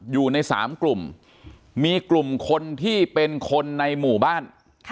อยู่ใน๓กลุ่มมีกลุ่มคนที่เป็นคนในหมู่บ้าน